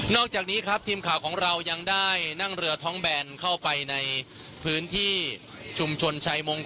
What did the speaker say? อกจากนี้ครับทีมข่าวของเรายังได้นั่งเรือท้องแบนเข้าไปในพื้นที่ชุมชนชายมงค